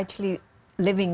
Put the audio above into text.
kita tahu banyak orang